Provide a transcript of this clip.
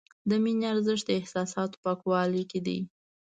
د مینې ارزښت د احساساتو پاکوالي کې دی.